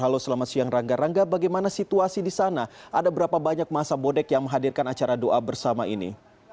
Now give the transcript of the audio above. halo selamat siang rangga rangga bagaimana situasi di sana ada berapa banyak masa bodek yang menghadirkan acara doa bersama ini